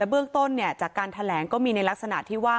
เบื้องต้นจากการแถลงก็มีในลักษณะที่ว่า